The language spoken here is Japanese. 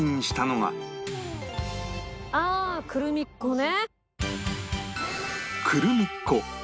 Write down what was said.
ああクルミッ子ね。